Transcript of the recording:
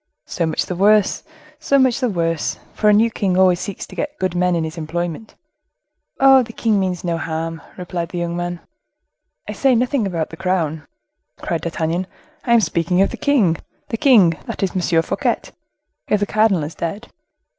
"So much the worse! so much the worse! for a new king always seeks to get good men in his employment." "Oh! the king means no harm," replied the young man. "I say nothing about the crown," cried D'Artagnan; "I am speaking of the king—the king, that is M. Fouquet, if the cardinal is dead.